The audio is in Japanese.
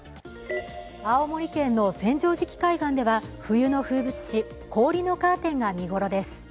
青森県の千畳敷海岸では冬の風物詩、氷のカーテンが見頃です。